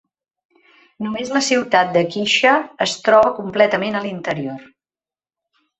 Només la ciutat de Qixia es troba completament a l'interior.